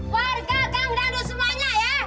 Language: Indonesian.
warga ganggang itu semuanya ya